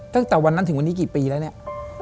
ตั้งแต่วันนั้นถึงวันนี้กี่ปีแล้วเนี่ย